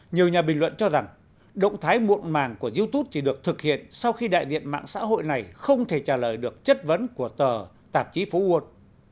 nhiều nhà bình luận cho rằng động thái muộn màng của youtube chỉ được thực hiện sau khi đại diện mạng xã hội này không thể trả lời được chất vấn của tờ tạp chí phố quân